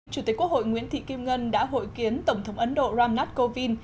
chủ tịch quốc hội nguyễn thị kim ngân đã hội kiến tổng thống ấn độ ram nath kovind